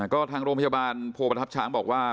ก็ทางโรงพยาบาลโพประทับช้างบอกว่า